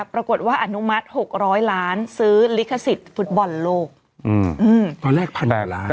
ปรากฏว่าอนุมัติหกร้อยล้านซื้อลิขสิทธิ์ฟุตบอลโลกอืมอืมตอนแรกพันหลายล้าน